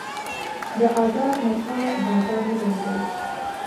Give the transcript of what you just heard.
د آزار نه چا بازار نه دی موندلی